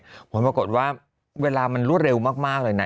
ผลปรากฏว่าเวลามันรวดเร็วมากเลยนะ